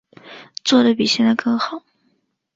做得比现在更好